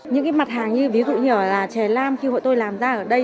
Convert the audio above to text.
những cái mặt hàng như ví dụ như ở là chè lam khi hội tôi làm ra ở đây